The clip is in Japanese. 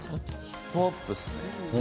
ヒップホップですね。